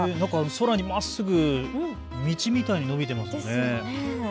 空にまっすぐ道みたいに伸びていますね。